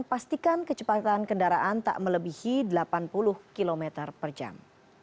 pastikan kecepatan kendaraan tak melebihi delapan puluh km per jam